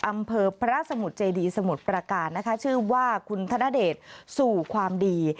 อำเภอพระสมุทรเจดีสมุทรประการนะคะชื่อว่าคุณธนเดชสู่ความดี